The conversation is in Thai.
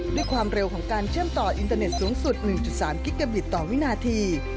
ด้วยความเร็วของการเชื่อมต่ออินเตอร์เน็ตสูงสุด๑๓กิกาบิตต่อวินาที